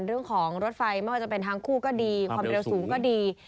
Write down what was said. รถไฟไม่ว่าจะเป็นทางคู่ก็ดีความเร็วสูงก็ดี